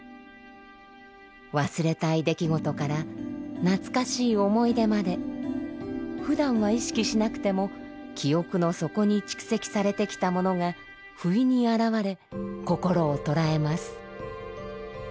忘れたい出来事から懐かしい思い出までふだんは意識しなくても記憶の底に蓄積されてきたものがふいに現れ心をとらえます。